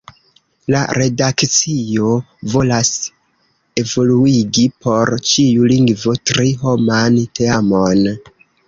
La redakcio volas evoluigi por ĉiu lingvo tri-homan teamon.